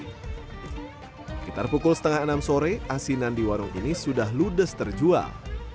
sekitar pukul setengah enam sore asinan di warung ini sudah ludes terjual